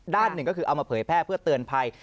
ด้านหนึ่งก็คือเอามาเผยแพร่เพื่อเตือนภัย